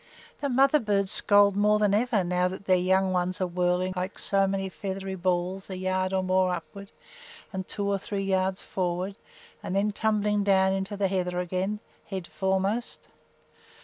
The mother birds scold more than ever, now that their young ones are whirling like so many feathery balls a yard or more upward, and two or three yards forward, and then tumbling down into the heather again, head foremost.